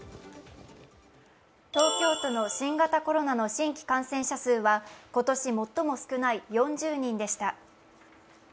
東京都の新型コロナの新規感染者数は今年最も少ない４０人でした。